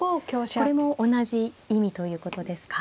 これも同じ意味ということですか。